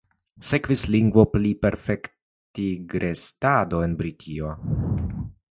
Sekvis lingvopliperfektigrestado en Britio.